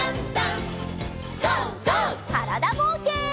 からだぼうけん。